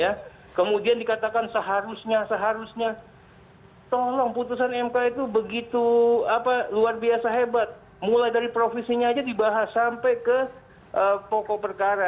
ya kemudian dikatakan seharusnya seharusnya tolong putusan mk itu begitu luar biasa hebat mulai dari provisinya aja dibahas sampai ke pokok perkara